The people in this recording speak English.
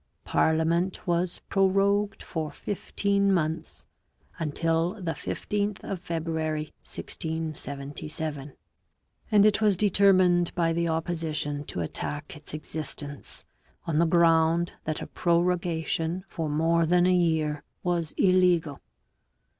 Parliament was prorogued for fifteen months until the 15th of February 1677, and it was determined by the opposition to attack its existence on the ground that a prorogation for more than a year was illegal.